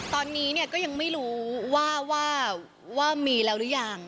ตอนนี้ก็ยังไม่รู้ว่ามีแล้วหรือยัง